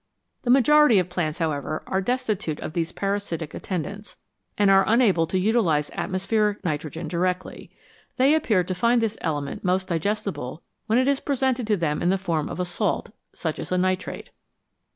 The majority of plants, however, are destitute of these para sitic attendants, and are unable to utilise atmospheric nitrogen directly ; they appear to find this element most digestible when it is presented to them in the form of a salt, such as a nitrate.